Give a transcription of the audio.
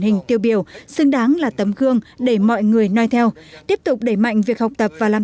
hình tiêu biểu xứng đáng là tấm gương để mọi người nói theo tiếp tục đẩy mạnh việc học tập và làm